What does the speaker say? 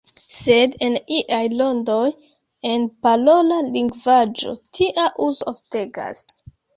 Sed en iaj rondoj, en parola lingvaĵo, tia uzo oftegas.